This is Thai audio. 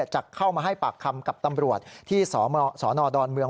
จะเข้ามาให้ปากคำกับตำรวจที่สนดอนเมือง